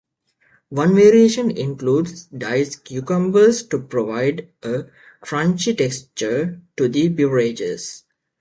One variation includes diced cucumbers to provide a crunchy texture to the beverage.